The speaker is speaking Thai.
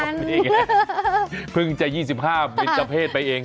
นี่ไงเพิ่งจะ๒๕บินเจ้าเพศไปเอง